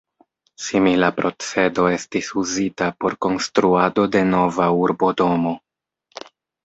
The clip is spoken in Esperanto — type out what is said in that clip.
Simila procedo estis uzita por konstruado de Nova urbodomo.